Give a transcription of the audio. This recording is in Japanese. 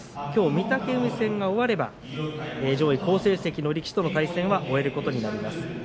きょう御嶽海戦が終われば上位、好成績の力士との対戦を終えることになります。